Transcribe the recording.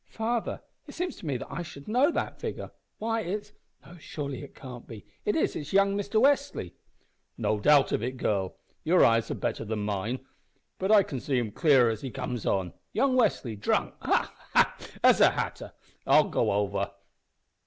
"Father, it seems to me I should know that figure. Why, it's no, surely it cannot be young Mister Westly!" "No doubt of it, girl. Your eyes are better than mine, but I see him clearer as he comes on. Young Westly drunk ha! ha! as a hatter! I'll go help him over."